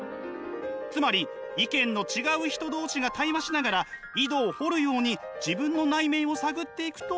つまり意見の違う人同士が対話しながら井戸を掘るように自分の内面を探っていくと。